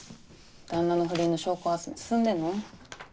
旦那の不倫の証拠集め進んでんの？